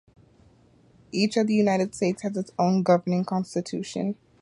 Each of the United States has its own governing Constitution.